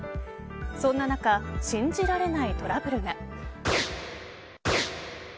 そんな中信じられないトラブルが。